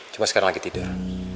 cuma sekarang lagi tidur